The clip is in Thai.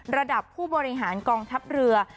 ระดับผู้บริหารกองทัพเรือ